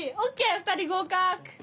２人合格！